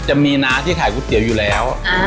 จะมีน้าที่ขายก๋วยเตี๋ยวอยู่แล้ว